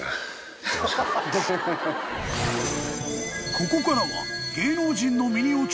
［ここからは］